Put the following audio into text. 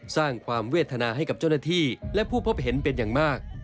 สร้างความเวทนาให้กับเจ้าหน้าที่และผู้พบเห็นเป็นอย่างมาก